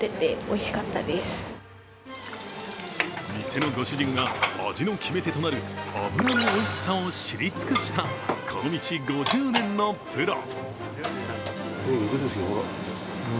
店のご主人は味の決め手となる脂のおいしさを知り尽くしたこの道５０年のプロ。